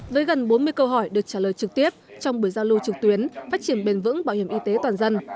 với gần bốn mươi câu hỏi được trả lời trực tiếp trong buổi giao lưu trực tuyến phát triển bền vững bảo hiểm y tế toàn dân